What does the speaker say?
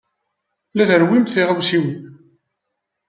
La trewwimt tiɣawsiwin.